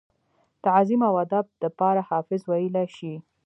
تعظيم او ادب دپاره حافظ وئيلی شي ۔